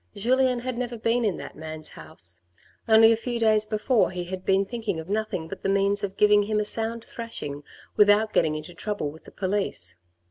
Julien had never been in that man's house. Only a few days before he had been thinking of nothing but the means of giving him a sound thrashing without getting into trouble with the police.